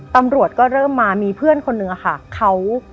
ตำรวจก็เริ่มมามีเพื่อนคนหนึ่งค่ะเขา